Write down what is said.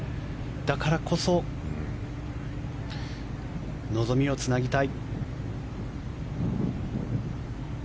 だからこそ望みをつなぎたい。